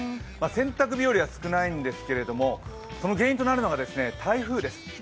洗濯日和は少ないんですけれどもその原因となるのが台風です。